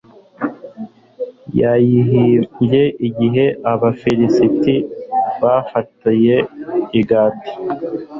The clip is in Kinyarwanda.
yayihimbye igihe abafilisiti bamufatiye i gati